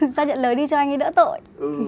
ra nhận lời đi cho anh đi đỡ tội